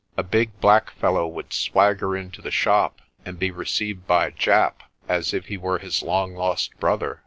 A big black fellow would swagger into the shop, and be received by Japp as if he were his long lost brother.